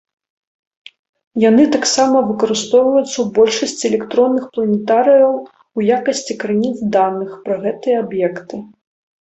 Яны таксама выкарыстоўваюцца ў большасці электронных планетарыяў у якасці крыніц даных пра гэтыя аб'екты.